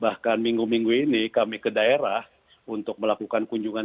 bahkan minggu minggu ini kami ke daerah untuk melakukan kunjungan